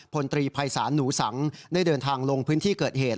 พลตรีภัยศาลหนูสังได้เดินทางลงพื้นที่เกิดเหตุ